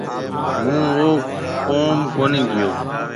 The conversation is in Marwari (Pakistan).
مونه او ڪوم ڪونِي ڪيو۔